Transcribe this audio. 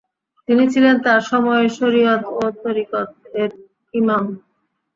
তিনি ছিলেন তার সময়ের শরিয়ত ও তরিকত-এর ইমাম ।